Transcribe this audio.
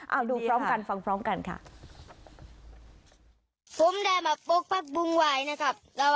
เอาดูพร้อมกันฟังพร้อมกันค่ะ